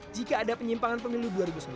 jika ada penyimpangan pemilu dua ribu sembilan belas